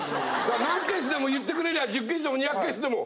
何ケースでも言ってくれりゃ１０ケースでも２００ケースでも。